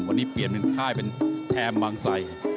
วันนี้เปลี่ยนเป็นค่ายเป็นแถมบางไซ